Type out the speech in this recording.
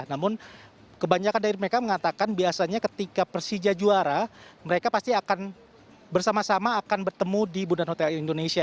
namun kebanyakan dari mereka mengatakan biasanya ketika persija juara mereka pasti akan bersama sama akan bertemu di bundaran hotel indonesia